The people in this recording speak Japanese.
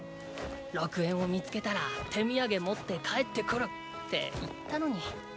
楽園を見つけたら手土産持って帰って来るって言ったのに。